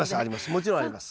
もちろんあります。